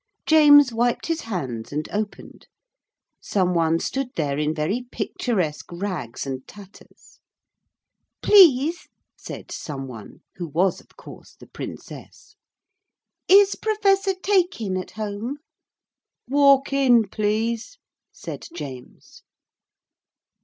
James wiped his hands and opened. Some one stood there in very picturesque rags and tatters. 'Please,' said some one, who was of course the Princess, 'is Professor Taykin at home?' 'Walk in, please,' said James.